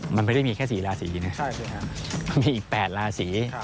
มันไม่ได้มีแค่๔ราศีนะมันมีอีก๘ราศี